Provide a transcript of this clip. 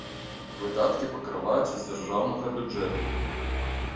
Выдаткі пакрываюцца з дзяржаўнага бюджэту.